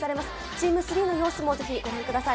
チーム３の様子もぜひ、ご覧ください。